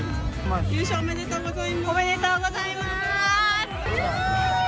おめでとうございます。